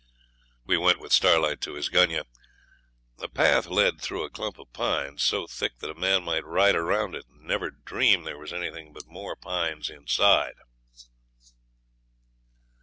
We went with Starlight to his gunyah. A path led through a clump of pines, so thick that a man might ride round it and never dream there was anything but more pines inside.